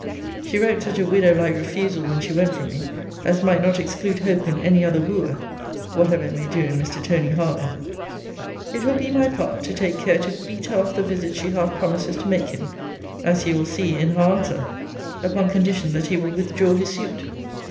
She wrote such a widow like refusal when she went from me, as might not exclude hope in any other wooer; whatever it may do in Mr. Tony Harlowe. It will be my part, to take care to beat her off the visit she half promises to make him (as you will see in her answer) upon condition that he will withdraw his suit.